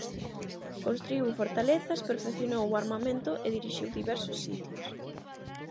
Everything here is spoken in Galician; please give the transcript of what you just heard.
Construíu fortalezas, perfeccionou o armamento e dirixiu diversos sitios.